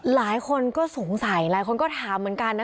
หลายคนก็สงสัยหลายคนก็ถามเหมือนกันนะ